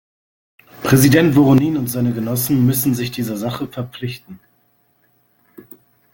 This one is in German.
Präsident Voronin und seine Genossen müssen sich dieser Sache verpflichten.